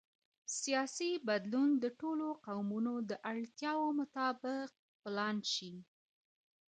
سیاسي بدلون د ټولو قومونو د اړتیاوو مطابق پلان شي